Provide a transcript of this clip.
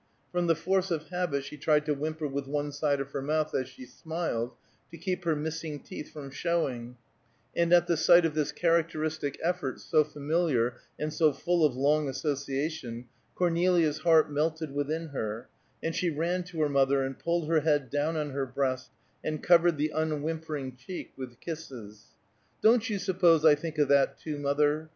From the force of habit she tried to whimper with one side of her mouth, as she smiled, to keep her missing teeth from showing; and at the sight of this characteristic effort, so familiar and so full of long association, Cornelia's heart melted within her, and she ran to her mother, and pulled her head down on her breast and covered the unwhimpering cheek with kisses. "Don't you suppose I think of that, too, mother?